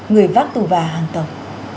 người vác tù và hàng tộc